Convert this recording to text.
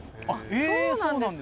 えぇそうなんですか。